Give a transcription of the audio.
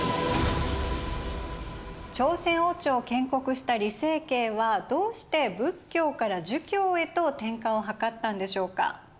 朝鮮王朝を建国した李成桂はどうして仏教から儒教へと転換を図ったんでしょうか。